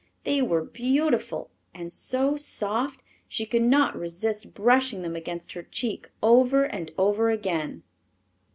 They were beautiful, and so soft she could not resist brushing them against her cheek over and over again.